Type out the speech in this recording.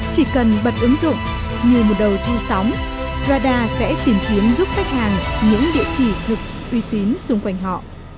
chỉ cần bật ứng dụng như một đầu theo sóng radar sẽ tìm kiếm giúp khách hàng những địa chỉ thực uy tín xung quanh họ